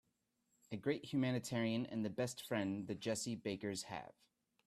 A great humanitarian and the best friend the Jessie Bakers have.